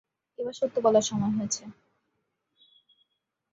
এবার সত্য বলার সময় হয়েছে।